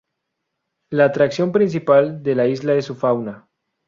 La atracción principal de la isla es su fauna.